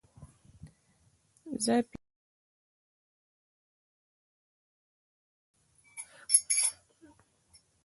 زه پنځه سیبونه په باغ کې لیدلي دي.